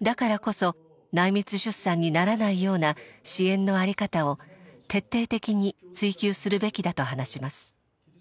だからこそ内密出産にならないような支援の在り方を徹底的に追求するべきだと話します。